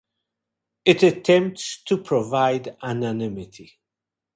It attempts to provide anonymity.